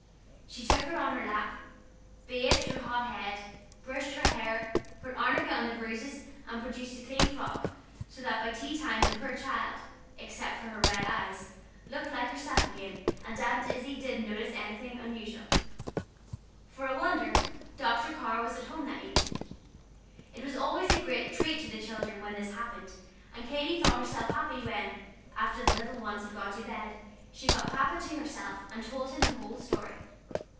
She took her on her lap, bathed the hot head, brushed the hair, put arnica on the bruises, and produced a clean frock, so that by tea time the poor child, except for her red eyes, looked like herself again, and Aunt Izzie didn't notice anything unusual. For a wonder, Dr. Carr was at home that evening. It was always a great treat to the children when this happened, and Katy thought herself happy when, after the little ones had gone to bed, she got Papa to herself, and told him the whole story.